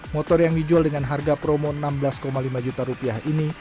motor yang dijual dengan harga promo rp enam belas lima juta rupiah ini